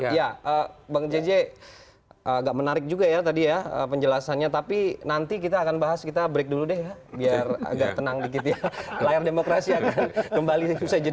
ya bang jj agak menarik juga ya tadi ya penjelasannya tapi nanti kita akan bahas kita break dulu deh ya biar agak tenang dikit ya layar demokrasi akan kembali